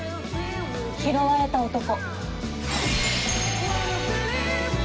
「拾われた男」。